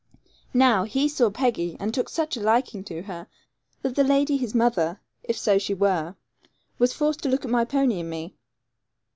Now, he saw Peggy, and took such a liking to her, that the lady his mother if so she were was forced to look at my pony and me.